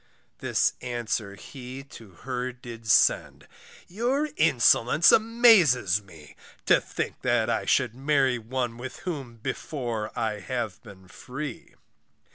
This answer he to her did send, Your insolence amazes me, To think that I should marry one With whom, before, I have been free.